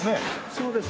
そうです。